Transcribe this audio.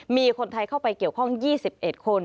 มีคนไทยเข้าไปเกี่ยวข้อง๒๑คน